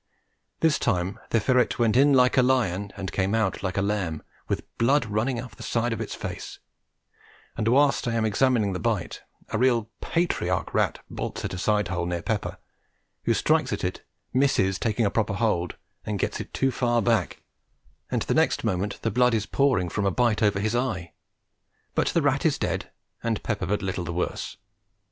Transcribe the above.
This time the ferret went in like a lion and came out like a lamb, with the blood running out of the side of its face; and whilst I am examining the bite, a real patriarch rat bolted at a side hole near Pepper, who strikes at it, misses taking a proper hold and gets it too far back, and the next moment the blood is pouring from a bite above his eye; but the rat is dead, and Pepper but little the worse.